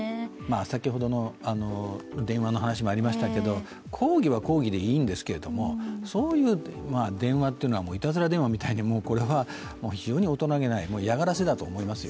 先ほどの電話の話もありましたけど抗議は抗議でいいんですけどそういう電話というのは、いたずら電話は非常に大人げない、嫌がらせだと思いますよ。